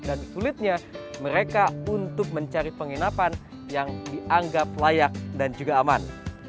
dan sulitnya mereka untuk mencari penginapan yang dianggap layak dan juga aman